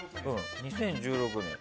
２０１６年。